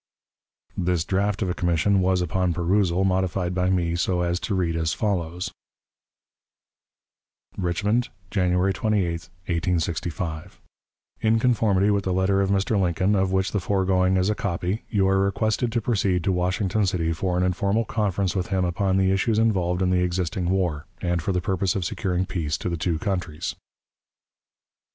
This draft of a commission was, upon perusal, modified by me so as to read as follows: "RICHMOND, January 28, 1865. "In conformity with the letter of Mr. Lincoln, of which the foregoing is a copy, you are requested to proceed to Washington City for an informal conference with him upon the issues involved in the existing war, and for the purpose of securing peace to the two countries."